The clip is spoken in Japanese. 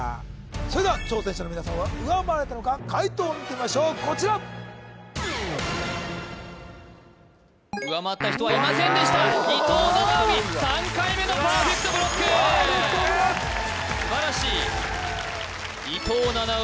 それでは挑戦者の皆さんは上回れたのか解答を見てみましょうこちら上回った人はいませんでした伊藤七海３回目のＰｅｒｆｅｃｔＢｌｏｃｋ素晴らしい伊藤七海